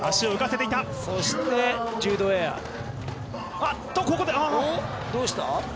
あっとここでどうした？